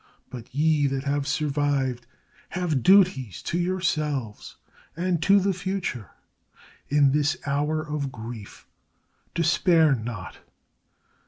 But ye that have survived have duties to yourselves and to the future. In this hour of grief, despair not.